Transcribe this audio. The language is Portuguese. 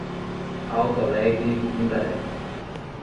Alto Alegre do Pindaré